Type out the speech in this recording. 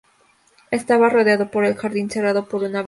Estaba rodeado por el jardín y cerrado por una verja.